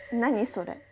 それ。